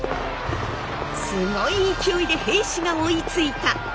すごい勢いで平氏が追いついた！